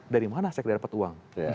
dari mana sekda dapat uang